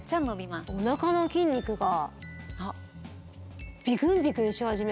おなかの筋肉が。